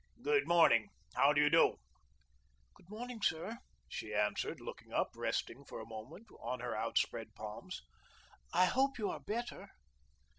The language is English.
"Good morning. How do you do?" "Good morning, sir," she answered, looking up, resting for a moment on her outspread palms. "I hope you are better."